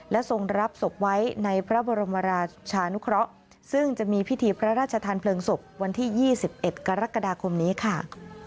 ทรงรับศพไว้ในพระบรมราชานุเคราะห์ซึ่งจะมีพิธีพระราชทานเพลิงศพวันที่๒๑กรกฎาคมนี้ค่ะ